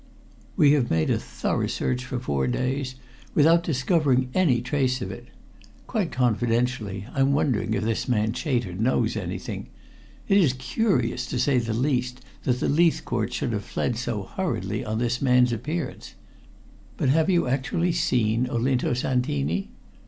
We have made a thorough search for four days, without discovering any trace of it. Quite confidentially, I'm wondering if this man Chater knows anything. It is curious, to say the least, that the Leithcourts should have fled so hurriedly on this man's appearance. But have you actually seen Olinto Santini?"